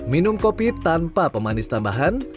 minum kopi tanpa pemanis tambahan